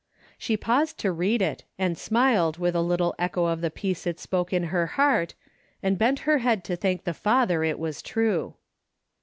She paused to read it and smiled with a little echo of the peace it spoke in her heart, and bent her head to thank her Father it was true.